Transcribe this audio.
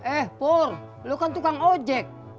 eh pur lo kan tukang ojek